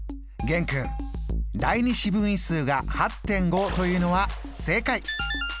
玄くん第２四分位数が８．５というのは正解！